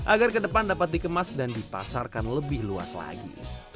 agar ke depan dapat dikemas dan dipasarkan lebih luas lagi